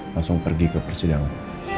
langsung pergi ke persidangan